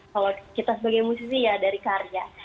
kalau kita sebagai musisi ya dari karya